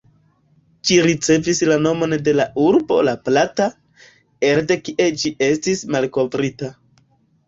Ĝi ricevis la nomon de la urbo "La Plata", elde kie ĝi estis malkovrita.